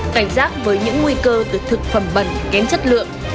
cảnh giác với những nguy cơ từ thực phẩm bẩn kém chất lượng